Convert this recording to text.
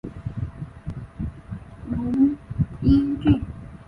汝阴郡。